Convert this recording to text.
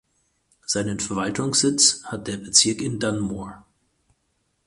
Seinen Verwaltungssitz hat der Bezirk in Dunmore.